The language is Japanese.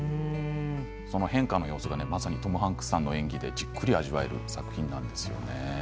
その変化の様子がまさにトム・ハンクスさんの演技でじっくり味わえる作品なんですよね。